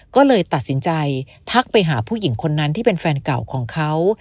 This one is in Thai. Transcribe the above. ก็เลยตัดสินใจทักไปหาผู้หญิงคนนั้นที่เป็นแฟนเก่าของเขา